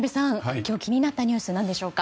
今日気になったニュースは何でしょうか？